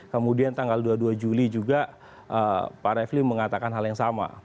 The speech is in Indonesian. kemudian tanggal dua puluh dua juli juga pak refli mengatakan hal yang sama